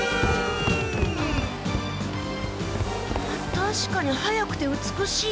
たしかに速くて美しい。